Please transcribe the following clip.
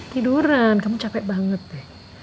tiduran kamu capek banget deh